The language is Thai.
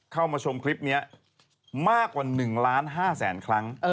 เข้ามาชมคลิปนี้มากกว่า๑๕๐๐๐๐๐ครั้ง